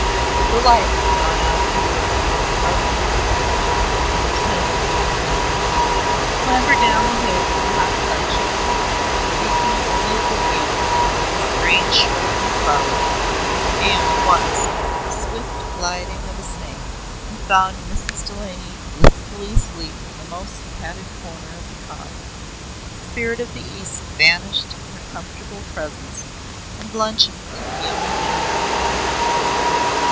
The life had gone out of her words out of the ruins. There was no more to be said. We clambered down the hill in the hot sunshine, speaking only of the view, the strange shrubs and flowers, and, once, the swift gliding of a snake, and found Mrs. Delany blissfully asleep in the most padded corner of the car. The spirit of the East vanished in her comfortable presence, and luncheon seemed the only matter of moment.